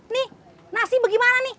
nih nasi bagaimana